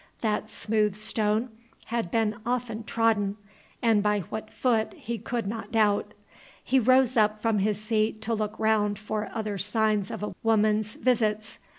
That smooth stone had been often trodden, and by what foot he could not doubt. He rose up from his seat to look round for other signs of a woman's visits.